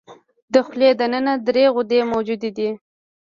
د خولې د ننه درې غدې موجودې دي.